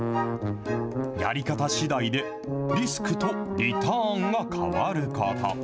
やり方しだいでリスクとリターンが変わること。